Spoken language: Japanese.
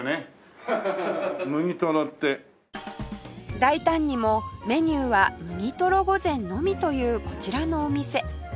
大胆にもメニューは麦とろ御膳のみというこちらのお店